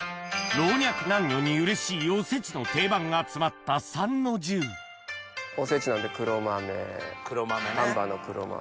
老若男女にうれしいおせちの定番が詰まったおせちなんで黒豆丹波の黒豆。